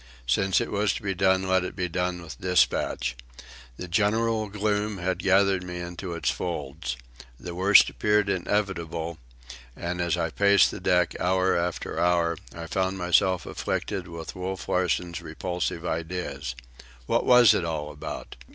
Since it was to be done, let it be done with despatch. The general gloom had gathered me into its folds. The worst appeared inevitable; and as I paced the deck, hour after hour, I found myself afflicted with Wolf Larsen's repulsive ideas. What was it all about?